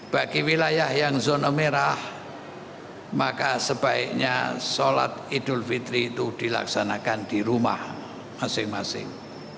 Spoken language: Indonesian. bagi wilayah yang zona merah maka sebaiknya sholat idul fitri itu dilaksanakan di rumah masing masing